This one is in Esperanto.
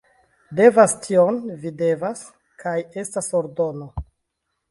Devas tion... Vi devas. Kaj estas ordono.